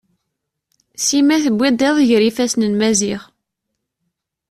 Sima tewwid iḍ gar yifasen n Maziɣ.